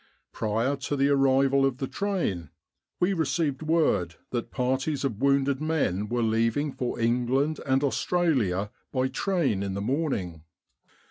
Prior to the arrival ol the train, we received word that parties of wounded men were leaving for England and Australia by train in the morning.